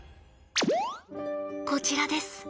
こちらです。